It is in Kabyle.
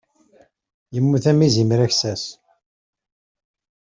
Immut am izimer aksas.